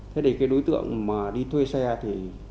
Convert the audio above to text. thế thì cái đối tượng mà đi thuê xe thì